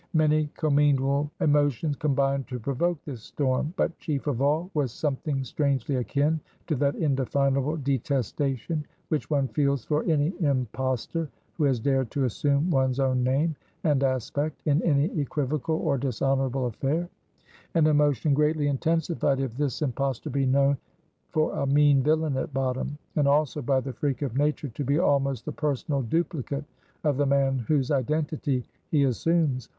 Many commingled emotions combined to provoke this storm. But chief of all was something strangely akin to that indefinable detestation which one feels for any impostor who has dared to assume one's own name and aspect in any equivocal or dishonorable affair; an emotion greatly intensified if this impostor be known for a mean villain at bottom, and also, by the freak of nature to be almost the personal duplicate of the man whose identity he assumes.